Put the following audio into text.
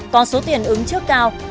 con số tiền ứng trước cao